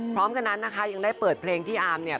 พร้อมกันนั้นนะคะยังได้เปิดเพลงที่อาร์มเนี่ย